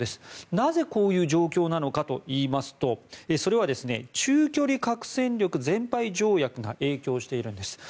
なぜ、こういう状況なのかといいますと中距離核戦力廃棄条約が影響しているんです。